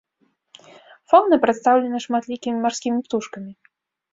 Фаўна прадстаўлена шматлікімі марскімі птушкамі.